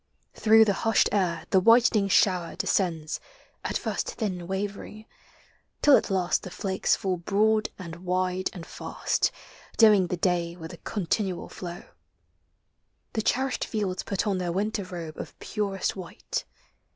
Through the hushed air the whitening shower de scends At first thin wavering; till at last the flakes Fall broad and wide and fast, dimming the day With a continual flow. The cherished fields Put on their winter robe of purest white.